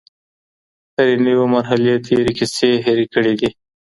هرې نوې مرحلې تېرې کیسې هېرې کړې دي.